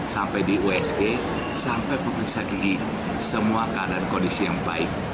sampai di usg sampai pemeriksa gigi semua keadaan kondisi yang baik